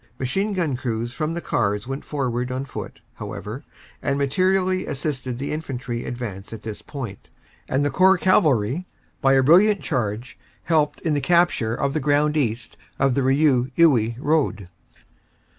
Machine gun crews from the cars went forward on foot, however, and mater ially assisted the Infantry advancing at this point, and the Corps Cavalry, by a brilliant charge, helped in the capture of the ground east of the Rieux Iwuy road.